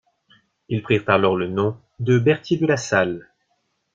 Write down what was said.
Ils prirent alors le nom de Berthier de La Salle.